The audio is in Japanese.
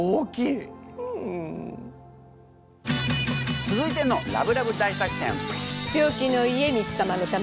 続いてのラブラブ大作戦。